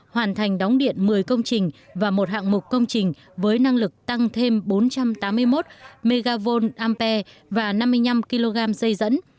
hoàn thành đóng điện một mươi công trình và một hạng mục công trình với năng lực tăng thêm bốn trăm tám mươi một mva ampe và năm mươi năm kg dây dẫn